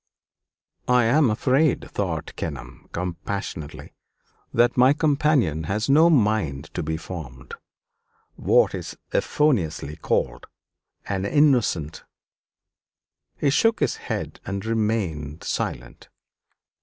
"I am afraid," thought Kenelm, compassionately, "that my companion has no mind to be formed; what is euphoniously called 'an innocent.'" He shook his head and remained silent.